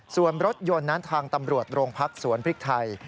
ส่วนรถยนต์นั้นทางตำรวจโรงพักสวนพริกไทย